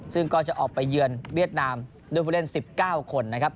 ซึ่งก็จะออกไปเยือนเวียดนามด้วยผู้เล่น๑๙คนนะครับ